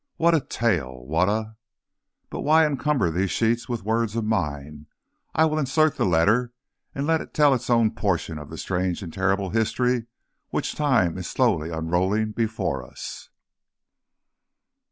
What a tale! What a But why encumber these sheets with words of mine? I will insert the letter and let it tell its own portion of the strange and terrible history which time is slowly unrolling before us.